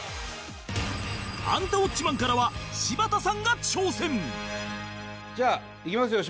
『アンタウォッチマン！』からは柴田さんがじゃあいきますよ